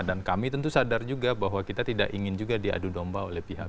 dan kami tentu sadar juga bahwa kita tidak ingin juga diadu domba oleh pihak